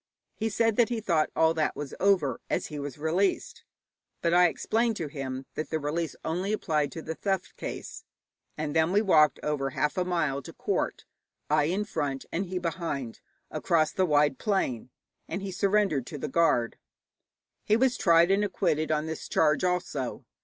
He said that he thought all that was over, as he was released; but I explained to him that the release only applied to the theft case. And then we walked over half a mile to court, I in front and he behind, across the wide plain, and he surrendered to the guard. He was tried and acquitted on this charge also.